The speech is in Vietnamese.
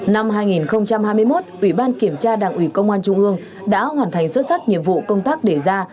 năm hai nghìn hai mươi một ủy ban kiểm tra đảng ủy công an trung ương đã hoàn thành xuất sắc nhiệm vụ công tác đề ra